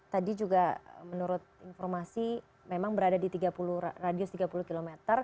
tadi juga menurut informasi memang berada di radius tiga puluh km